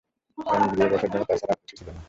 কারণ গৃহে বসার জন্য তা ছাড়া আর কিছু ছিল না।